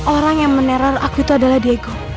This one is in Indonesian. orang yang meneror aku itu adalah diego